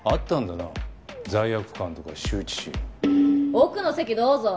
奥の席どうぞ。